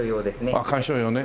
ああ観賞用ね。